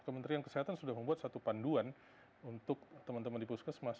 kementerian kesehatan sudah membuat satu panduan untuk teman teman di puskesmas